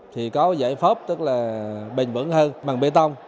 thì có giải pháp tức là bền vững hơn bằng bê tông